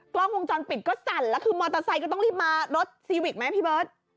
กล้องวงจรปิดก็สั่นแล้วคือมอเตอร์ไซค์ก็ต้องรีบมารถซีวิกไหมพี่เบิร์ต